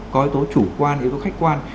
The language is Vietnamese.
có yếu tố chủ quan yếu tố khách quan